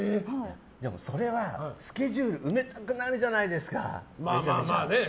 それは、スケジュール埋めたくなるじゃないですか。